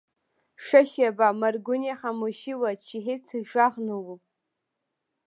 ښه شیبه مرګونې خاموشي وه، چې هېڅ ږغ نه و.